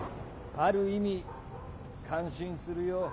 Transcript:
ある意味感心するよ。